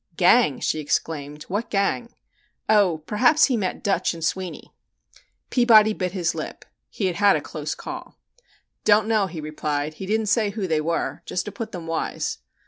"Gang?" she exclaimed. "What gang? Oh, perhaps he meant 'Dutch' and 'Sweeney.'" Peabody bit his lip. He had had a close call. "Don't know," he replied, "he didn't say who they were just to put them 'wise.'"